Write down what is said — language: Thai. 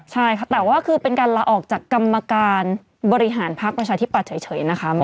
ใช่ค่ะแต่ว่าคือเป็นการลาออกจากกรรมการบริหารพักประชาธิปัตย์เฉยนะคะ